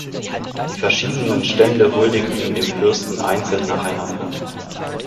Die verschiedenen Stände huldigten dem Fürsten einzeln nacheinander.